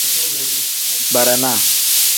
Barana.